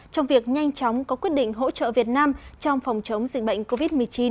trong việc nhanh chóng có quyết định hỗ trợ việt nam trong phòng chống dịch bệnh covid một mươi chín